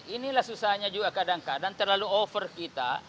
inilah susahnya juga kadang kadang terlalu over kita